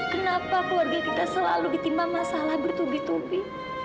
kenapa keluarga kita selalu ditima masalah bertubi tubi